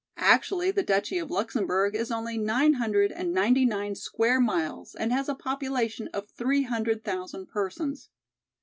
Actually the duchy of Luxemburg is only nine hundred and ninety nine square miles and has a population of three hundred thousand persons.